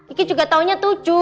ini juga tahunya tujuh